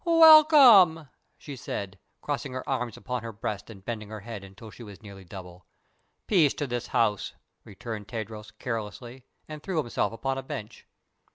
"Welcome!" she said, crossing her arms upon her breast and bending her head until she was nearly double. "Peace to this house," returned Tadros, carelessly, and threw himself upon a bench.